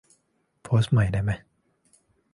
โพสต์ใหม่ได้มะ